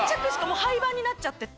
もう廃番になっちゃってて。